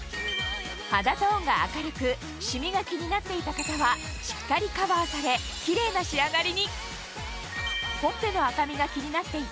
肌トーンが明るくシミが気になっていた方はしっかりカバーされキレイな仕上がりにほっぺの赤みが気になっていた